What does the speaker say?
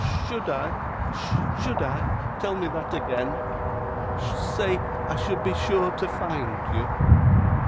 'Should I should I tell me that again. Say I should be sure to find you.